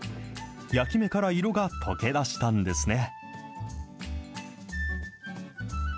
焼き目から色が溶け出したんですね。